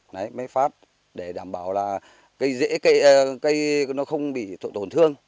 đấy máy phát để đảm bảo là cây dễ cây nó không bị tổn thương